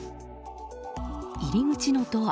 入り口のドア